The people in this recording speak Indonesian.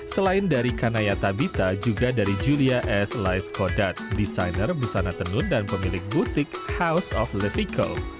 selain dari kanaya tabita juga dari julia s laiskodat desainer busana tenun dan pemilik butik house of levico